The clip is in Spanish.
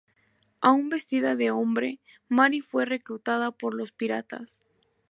Aún vestida de hombre, Mary fue reclutada por los piratas.